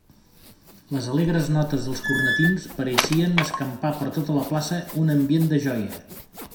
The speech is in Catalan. Les alegres notes dels cornetins pareixien escampar per tota la plaça un ambient de joia.